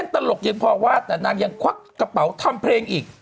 ตลกยังพอว่าแต่นางยังควักกระเป๋าทำเพลงอีก